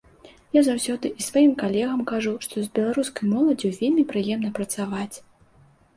Я заўсёды і сваім калегам кажу, што з беларускай моладдзю вельмі прыемна працаваць.